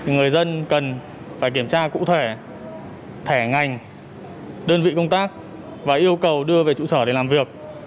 người dân cần phải kiểm tra cụ thể thẻ ngành đơn vị công tác và yêu cầu đưa về trụ sở để làm việc